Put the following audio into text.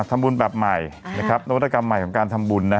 ทำบุญแบบใหม่นะครับนวัตกรรมใหม่ของการทำบุญนะฮะ